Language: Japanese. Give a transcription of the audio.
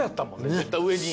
絶対上に。